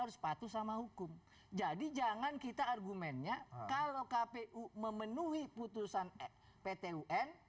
harus patuh sama hukum jadi jangan kita argumennya kalau kpu memenuhi putusan pt un